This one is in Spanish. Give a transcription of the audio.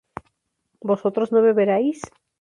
¿vosotros no beberíais?